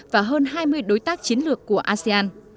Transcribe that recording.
và hơn hai mươi đối tác chiến lược của asean